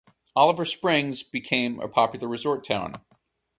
Oliver Springs became a popular resort town.